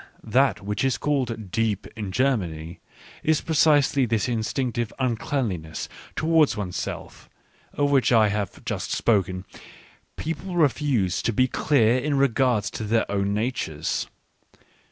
That which is called " deep " in Germany, is precisely this instinctive uncleanliness towards one's self, of which I have just spoken : people refuse to be clear in regard to their own natures.